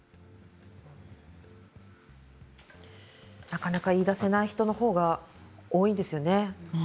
なかなか言いだせない人のほうが多いですよね。